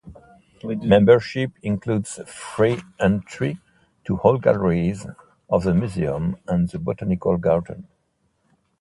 Membership includes free entry to all galleries of the museum and the botanical garden.